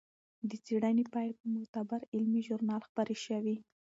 د څېړنې پایلې په معتبر علمي ژورنال خپرې شوې.